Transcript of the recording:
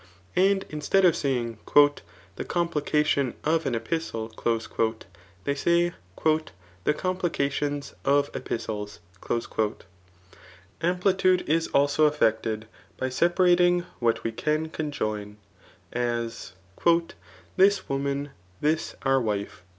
And instead of saying, *• the complication of an epistle," they say, ^^ the complications. of epistles.'' Amplitude is also effected, by separating what we csgi conjoin, as, ^* this woman, this our wife.'